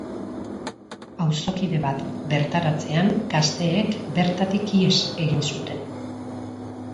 Auzokide bat bertaratzean, gazteek bertatik ihes egin zuten.